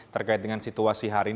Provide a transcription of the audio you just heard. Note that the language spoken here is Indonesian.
terkait dengan situasi hari ini